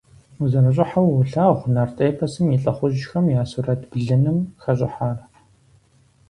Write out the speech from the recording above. УзэрыщӀыхьэу уолъагъу нарт эпосым и лӀыхъужьхэм я сурэт блыным хэщӀыхьар.